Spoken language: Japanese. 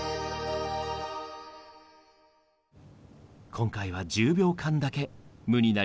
今回は１０秒間だけ無になりましょう。